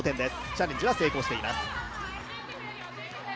チャレンジは成功しています。